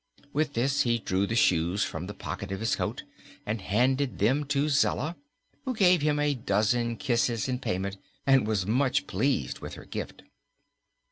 With this he drew the shoes from the pocket of his coat and handed them to Zella, who gave him a dozen kisses in payment and was much pleased with her gift.